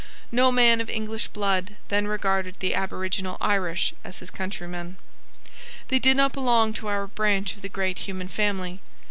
No man of English blood then regarded the aboriginal Irish as his countrymen. They did not belong to our branch of the great human family.